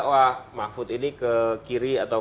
wah mahfud ini ke kiri atau